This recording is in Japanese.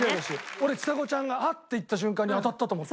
俺ちさ子ちゃんが「あっ！」って言った瞬間に当たったと思って。